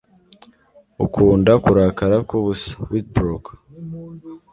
Akunda kurakara kubusa. (witbrock)